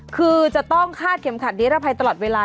คือจะต้องคาดเข็มขัดนิรภัยตลอดเวลา